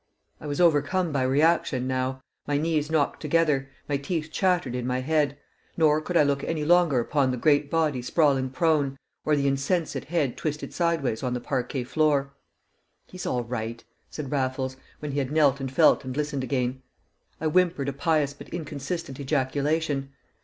I was overcome by reaction now; my knees knocked together, my teeth chattered in my head; nor could I look any longer upon the great body sprawling prone, or the insensate head twisted sideways on the parquet floor. "He's all right," said Raffles, when he had knelt and felt and listened again. I whimpered a pious but inconsistent ejaculation.